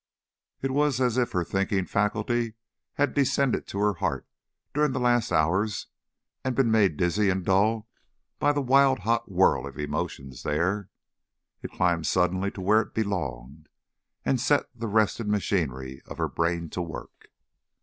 It was as if her thinking faculty had descended to her heart during the last hours and been made dizzy and dull by the wild hot whirl of emotions there. It climbed suddenly to where it belonged, and set the rested machinery of her brain to work.